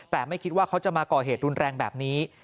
แต่ไม่คิดว่าเขาจะมาก่อเหตุรุนแรงแบบนี้